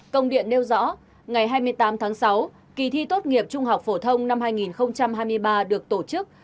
công điện nêu rõ ngày hai mươi tám tháng sáu kỳ thi tốt nghiệp trung học phổ thông năm hai nghìn hai mươi ba được tổ chức